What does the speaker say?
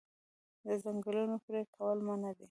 د ځنګلونو پرې کول منع دي.